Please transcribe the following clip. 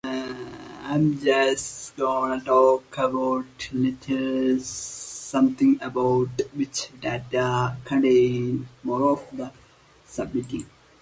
And they all lived happily ever after.